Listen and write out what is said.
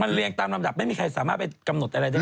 เรียงตามลำดับไม่มีใครสามารถไปกำหนดอะไรได้